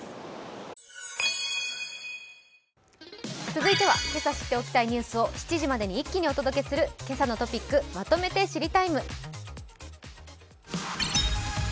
続いては今朝知っておきたいニュースを７時までに一気にお届けする「けさのトピックまとめて知りＴＩＭＥ，」。